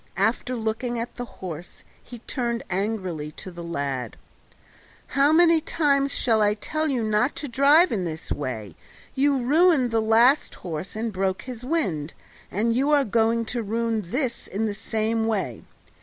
After looking at the horse he turned angrily to the lad. "How many times shall I tell you not to drive in this way? You ruined the last horse and broke his wind, and you are going to ruin this in the same way.